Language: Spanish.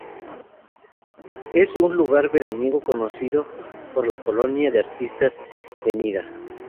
Es un lugar veraniego conocido por la colonia de artistas de Nida.